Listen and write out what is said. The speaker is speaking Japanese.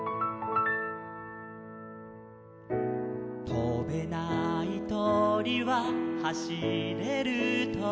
「とべないとりははしれるとり」